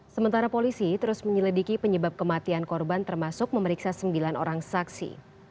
sementara polisi terus menyelidiki penyebab kematian korban termasuk memeriksa sembilan orang saksi